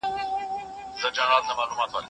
د کورنۍ ټولنپوهنه د غړو تر منځ اړیکې ګوري.